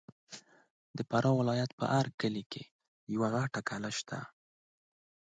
د فراه ولایت په هر کلي کې یوه لویه کلا سته.